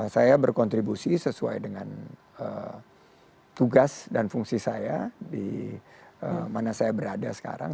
saya berkontribusi sesuai dengan tugas dan fungsi saya di mana saya berada sekarang